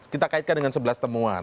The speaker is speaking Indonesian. kita kaitkan dengan sebelas temuan